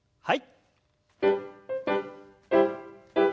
はい。